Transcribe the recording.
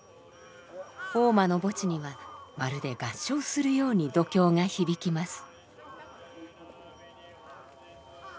大間の墓地にはまるで合唱するように読経が響きます。